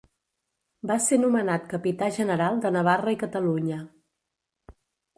Va ser nomenat capità general de Navarra i Catalunya.